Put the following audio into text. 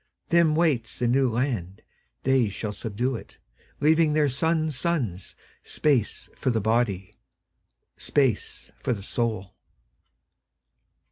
Them waits the New Land; They shall subdue it, Leaving their sons' sonsSpace for the body, Space for the soul.